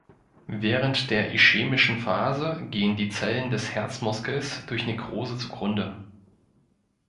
Während der Ischämischen Phase gehen die Zellen des Herzmuskels durch Nekrose zugrunde.